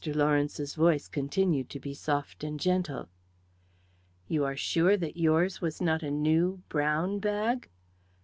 Lawrence's voice continued to be soft and gentle. "You are sure that yours was not a new brown bag?"